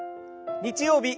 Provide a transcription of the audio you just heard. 日曜日